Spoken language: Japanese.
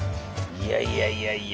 いやいやいやいや。